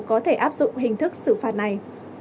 có thể áp dụng hình thức xử phạt này